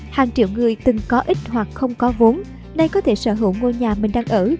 hàng triệu người từng có ích hoặc không có vốn nay có thể sở hữu ngôi nhà mình đang ở